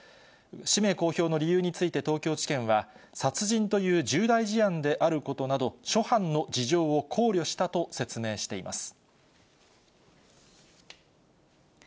氏名公表の理由について、東京地検は、殺人という重大事案であることなど、諸般の事情を考慮したと説明しています。